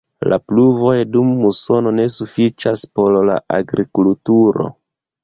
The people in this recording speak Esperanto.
La pluvoj dum musono ne sufiĉas por la agrikulturo.